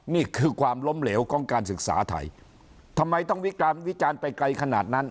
นี่คือความล้มเหลวของการศึกษาไทยทำไมต้องวิการวิจารณ์ไปไกลขนาดนั้น